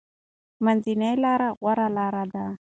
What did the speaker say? منځنۍ لاره غوره لاره ده.